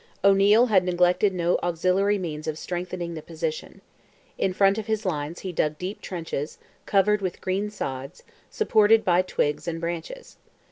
O'Neil had neglected no auxiliary means of strengthening the position. In front of his lines he dug deep trenches, covered over with green sods, supported by twigs and branches.